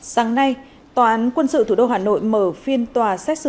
sáng nay tòa án quân sự thủ đô hà nội mở phiên tòa xét xử